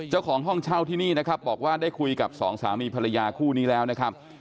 เจ้าของห้องเช่าที่นี่นะครับบอกว่าได้คุยกับสองสามีภรรยาคู่นี้แล้วนะครับ